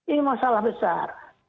ini masalah besar